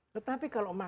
tetapi kalau makan